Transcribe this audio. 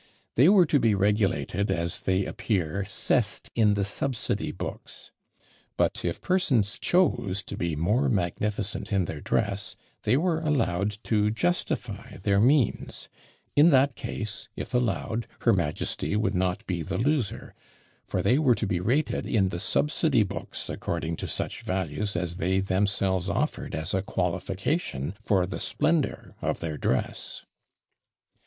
They were to be regulated as they appear "sessed in the subsidy books." But if persons chose to be more magnificent in their dress, they were allowed to justify their means: in that case, if allowed, her majesty would not be the loser; for they were to be rated in the subsidy books according to such values as they themselves offered as a qualification for the splendour of their dress!